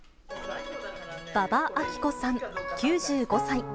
馬場あき子さん９５歳。